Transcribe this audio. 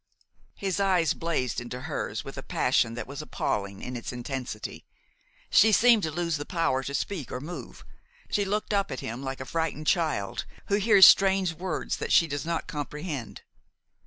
His eyes blazed into hers with a passion that was appalling in its intensity. She seemed to lose the power to speak or move. She looked up at him like a frightened child, who hears strange words that she does not comprehend.